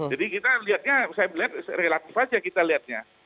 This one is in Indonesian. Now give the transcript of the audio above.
jadi kita lihatnya saya melihat relatif saja kita lihatnya